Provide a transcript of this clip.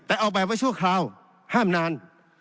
แต่ออกแบบไว้ชั่วคราวห้ามนาน